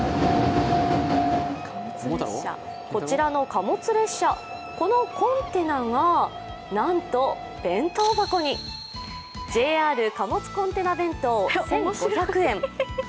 こちらの貨物列車、このコンテナがなんと弁当箱にＪＲ貨物コンテナ弁当１５００円。